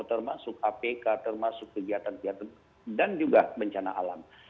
termasuk apk termasuk kegiatan kegiatan dan juga bencana alam